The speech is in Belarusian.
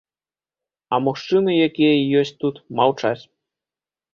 А мужчыны, якія і ёсць тут, маўчаць.